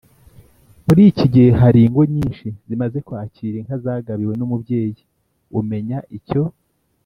muri iki gihe, hari ingo nyinshi zimaze kwakira inka zagabiwe n’umubyeyi umenya icyo